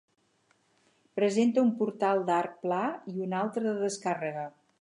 Presenta un portal d'arc pla i un altre de descàrrega.